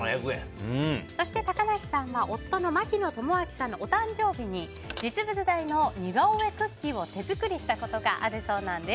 そして、高梨さんは夫の槙野智章さんのお誕生日に実物大の似顔絵クッキーを手作りしたことがあるそうです。